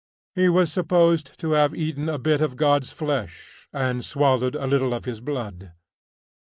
He was supposed to have eaten a bit of God's flesh and swallowed a little of His blood.